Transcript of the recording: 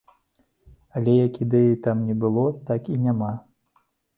Але, як ідэі там не было, так і няма.